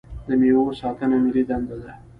د میوو ساتنه ملي دنده ده.